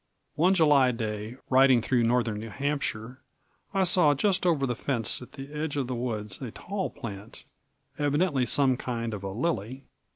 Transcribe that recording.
One July day, riding through northern New Hampshire, I saw just over the fence at the edge of the woods a tall plant evidently some kind of a lily.